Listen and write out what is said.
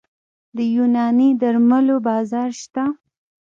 د یوناني درملو بازار شته؟